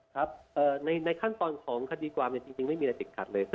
ครับในขั้นตอนของคดีความจริงไม่มีอะไรติดขัดเลย